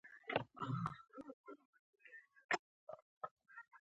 ستا غوندې ډېر پۀ دې اميد پۀ دې ارمان دي